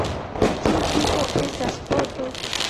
Ĉu tio estas foto?